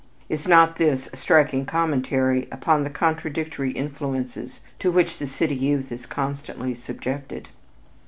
Is not this a striking commentary upon the contradictory influences to which the city youth is constantly subjected?